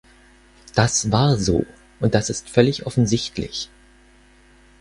Das war so und das ist völlig offensichtlich.